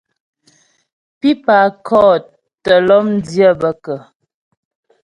Pípà kɔ̂t tə́ lɔ́mdyə́ bə kə́ ?